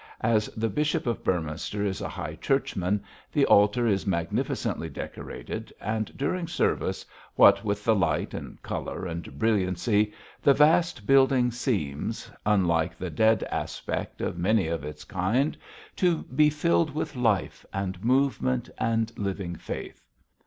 As the Bishop of Beorminster is a High Churchman the altar is magnificently decorated, and during service, what with the light and colour and brilliancy, the vast building seems unlike the dead aspect of many of its kind to be filled with life and movement and living faith.